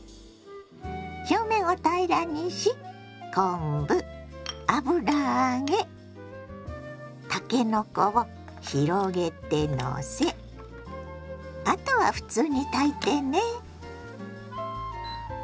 表面を平らにし昆布油揚げたけのこを広げてのせあとは普通に炊いてね。